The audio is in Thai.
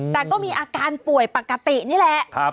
แต่ก็มีอาการป่วยปกตินี่แหละ